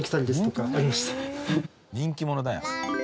人気者だよ。